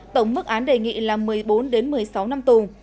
tổng mức án đề nghị là một mươi bốn một mươi sáu năm tù